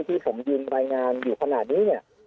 ที่ผมยืนรายงานอยู่ขนาดนี้เนี่ย